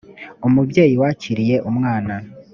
umubyeyi wakiriye umwana